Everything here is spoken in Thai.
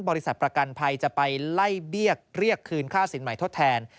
บริษัทประกันภัยจะไปไล่เบี้ยเรียกคืนค่าสินใหม่ทดแทน